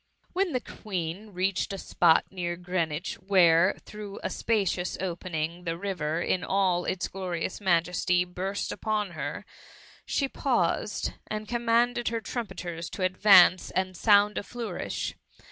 When the Queen reached a spot near Green wich, where, through a spacious opening, the river, in all its gloriouB majesty, burst upon her, she paused, and commanded her trumpeters to advance and sound a flourish.